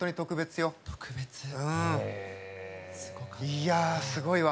いやすごいわ。